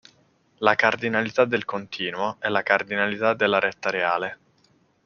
La "cardinalità del continuo" è la cardinalità della retta reale.